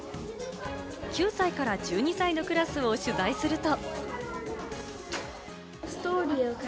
９歳から１２歳のクラスを取材すると。